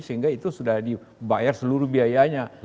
sehingga itu sudah dibayar seluruh biayanya